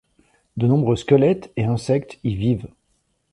De nombreux squelettes et insectes y vivent.